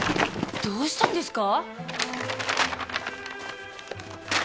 どうしたんですか！？